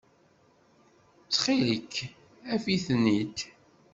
Ttxil-k, af-iten-id.